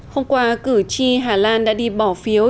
hôm qua cử tri hà lan đã đi bỏ phiếu